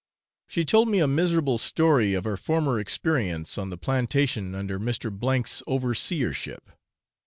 She told me a miserable story of her former experience on the plantation under Mr. K 's overseership.